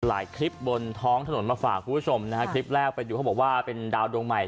คลิปบนท้องถนนมาฝากคุณผู้ชมนะฮะคลิปแรกไปดูเขาบอกว่าเป็นดาวดวงใหม่